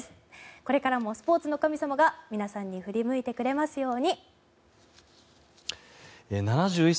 これからもスポーツの神様が皆さんに振り向いてくれますように。